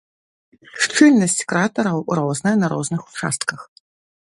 Шчыльнасць кратараў розная на розных участках.